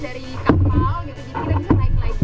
jadi kita bisa naik lagi